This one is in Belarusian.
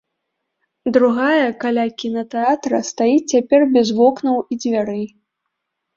Другая, каля кінатэатра, стаіць цяпер без вокнаў і дзвярэй.